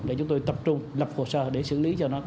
để chúng tôi tập trung lập hồ sơ để xử lý cho nó